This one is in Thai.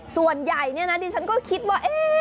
ส่วนใหญ่เนี่ยนะดิฉันก็คิดว่า